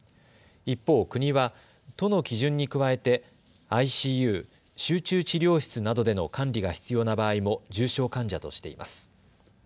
一方、国は都の基準に加えてＩＣＵ・集中治療室などでの管理が必要な場合も重症患者としています。